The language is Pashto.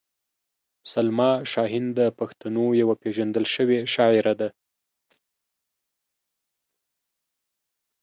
سلما شاهین د پښتنو یوه پېژندل شوې شاعره ده.